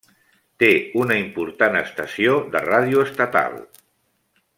Té una important estació de ràdio estatal.